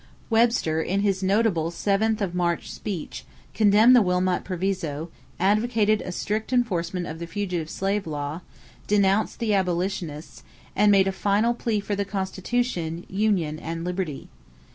Webster, in his notable "Seventh of March speech," condemned the Wilmot Proviso, advocated a strict enforcement of the fugitive slave law, denounced the abolitionists, and made a final plea for the Constitution, union, and liberty.